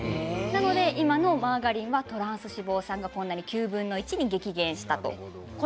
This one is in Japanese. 今のマーガリンはトランス脂肪酸が９分の１に激減したということです。